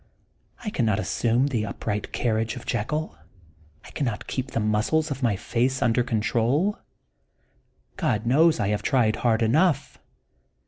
I cannot assume the upright carriage of Jekyll; I cannot keep the muscles of my face under control. God knows I have tried hard enough.